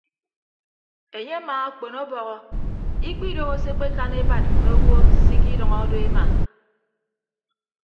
Enye amaakpon ọbọhọ ikpidooho se ekpekan ebat mme owo se ikidʌñọ do ema.